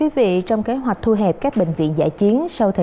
về giao thông năm mươi bốn điểm sạt lở